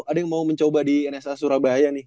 ada yang mau mencoba di nsa surabaya nih